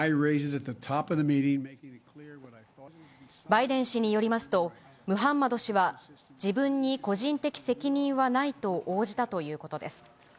バイデン氏によりますと、ムハンマド氏は、自分に個人的責任はないと応じたということです。